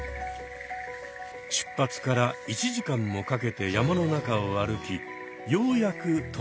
出発から１時間もかけて山の中を歩きようやく到着した。